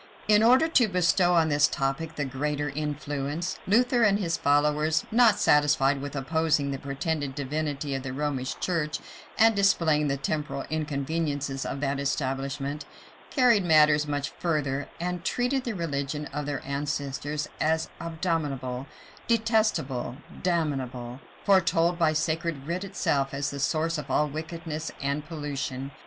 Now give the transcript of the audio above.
In order to bestow on this topic the greater influence, Luther and his followers, not satisfied with opposing the pretended divinity of the Romish church, and displaying the temporal inconveniences of that establishment, carried matters much further, and treated the religion of their ancestors as abominable, detestable, damnable; foretold by sacred writ itself as the source of all wickedness and pollution.